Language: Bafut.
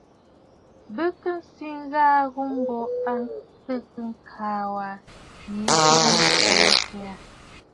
Bɨ kɨ̀ sɨ ghàà ghu mbo a təə kaa waʼà yi burə ŋkwɛ kwɛʼɛ.